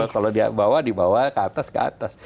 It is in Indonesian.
kalau di bawah di bawah ke atas ke atas